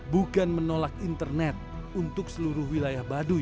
bukan menolak internet untuk seluruh wilayah baduy